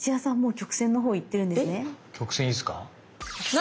曲線いいっすか？